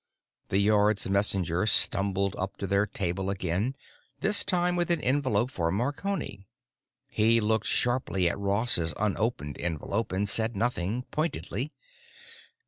The Yards messenger stumbled up to their table again, this time with an envelope for Marconi. He looked sharply at Ross's unopened envelope and said nothing, pointedly.